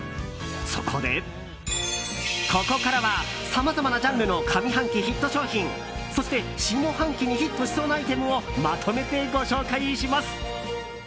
そこで、ここからはさまざまなジャンルの上半期ヒット商品、そして下半期にヒットしそうなアイテムをまとめてご紹介します。